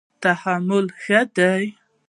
تحمل ښه دی.